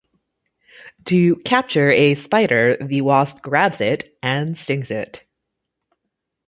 To capture a spider, the wasp grabs it and stings it.